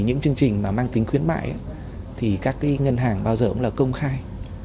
những chương trình mà mang tính khuyến mại thì các cái ngân hàng bao giờ cũng là công khai